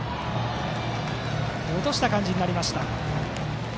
落とした感じになりました。